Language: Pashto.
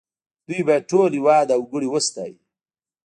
دوی باید ټول هېواد او وګړي وستايي